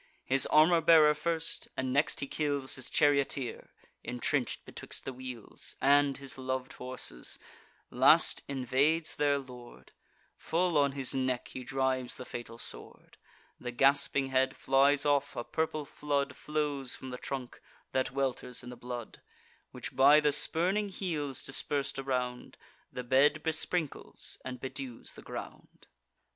His armour bearer first, and next he kills His charioteer, intrench'd betwixt the wheels And his lov'd horses; last invades their lord; Full on his neck he drives the fatal sword: The gasping head flies off; a purple flood Flows from the trunk, that welters in the blood, Which, by the spurning heels dispers'd around, The bed besprinkles and bedews the ground.